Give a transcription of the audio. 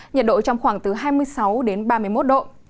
nhiệt độ trong khoảng từ hai mươi sáu đến ba mươi một độ